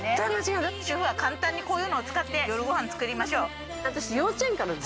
主婦は簡単にこういうのを使って夜ご飯を作りましょう。